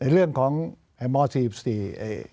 เรื่องของมสี่สี่